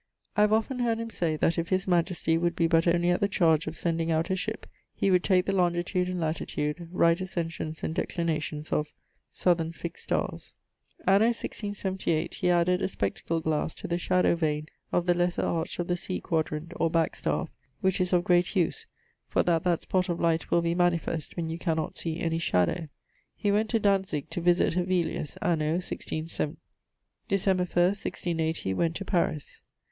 I have often heard him say that if his majestie would be but only at the chardge of sending out a ship, he would take the longitude and latitude, right ascensions and declinations of ... southern fixed starres. Anno 1678, he added a spectacle glasse to the shadowe vane of the lesser arch of the sea quadrant (or back staffe); which is of great use, for that that spott of light will be manifest when you cannot see any shadowe. He went to Dantzick to visit Hevelius, Anno 167 . December 1ˢᵗ, 1680, went to Paris.